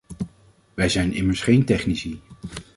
Wij zijn immers geen technici.